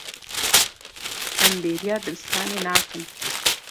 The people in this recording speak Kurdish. Em bêriya dibistanê nakin.